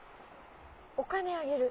お金あげる。